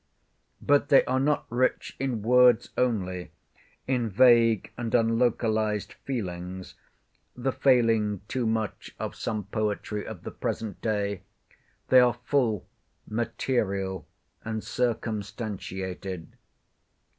But they are not rich in words only, in vague and unlocalised feelings—the failing too much of some poetry of the present day—they are full, material, and circumstantiated.